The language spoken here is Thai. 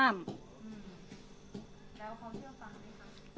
แล้วเขาเชื่อฟังไหมคะ